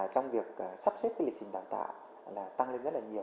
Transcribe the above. trong việc sắp xếp cái lịch trình đào tạo là tăng lên rất là nhiều